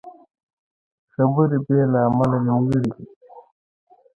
خبرې بې له عمله نیمګړې دي